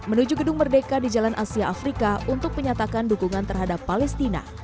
menuju gedung merdeka di jalan asia afrika untuk menyatakan dukungan terhadap palestina